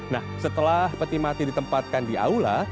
nah setelah peti mati ditempatkan di aula